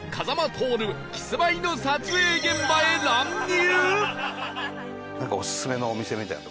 トオルキスマイの撮影現場へ乱入！？